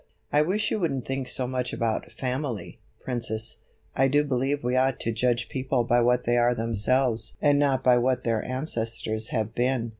I wish you wouldn't think so much about 'family', Princess; I do believe we ought to judge people by what they are themselves and not by what their ancestors have been."